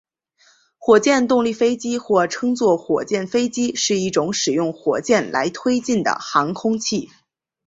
火箭动力飞机或称作火箭飞机是一种使用火箭来推进的航空器。